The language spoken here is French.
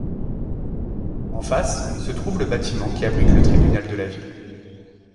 En face, se trouve le bâtiment qui abrite le tribunal de la ville.